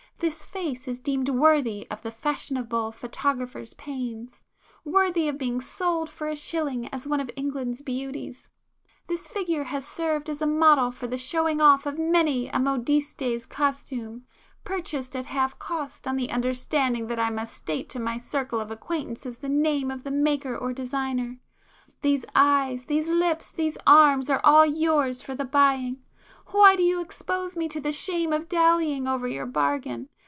This face is deemed worthy of the fashionable photographer's pains; worthy of being sold for a shilling as one of England's 'beauties,'—this figure has served as a model for the showing off of many a modiste's costume, purchased at half cost on the understanding that I must state to my circle of acquaintance the name of the maker or designer,—these eyes, these lips, these arms are all yours for the buying! Why do you expose me to the shame of dallying over your bargain?